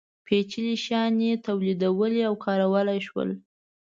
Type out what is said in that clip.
پېچلي شیان یې تولیدولی او کارولی شول.